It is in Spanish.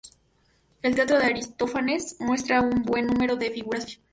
El teatro de Aristófanes muestra un buen número de estas figuras.